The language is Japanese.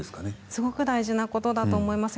すごく大事なことだと思います。